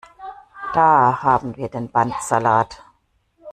Da haben wir den Bandsalat!